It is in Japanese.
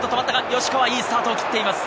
吉川、いいスタートを切っています。